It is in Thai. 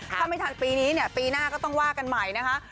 ถ้าไม่ทันปีนี้เนี่ยปีหน้าก็ต้องว่ากันใหม่นะคะ